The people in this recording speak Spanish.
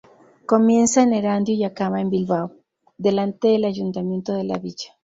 Comienza en Erandio y acaba en Bilbao, delante el Ayuntamiento de la Villa.